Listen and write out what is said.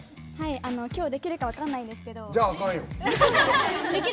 今日、できるか分かんないんですけど。